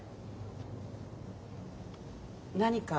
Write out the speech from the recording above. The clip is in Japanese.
何か？